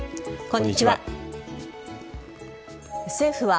こんにちは。